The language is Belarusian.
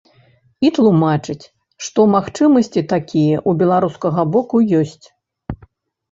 І тлумачыць, што магчымасці такія ў беларускага боку ёсць.